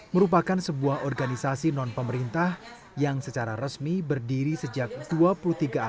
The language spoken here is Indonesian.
merupakan sebuah organisasi non pemerintah yang secara resmi berdiri sejak dua puluh tiga april seribu sembilan ratus sembilan puluh delapan di surabaya